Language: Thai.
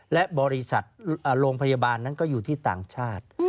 และบริษัทโรงพยาบาลนั้นก็อยู่ที่ต่างชาติ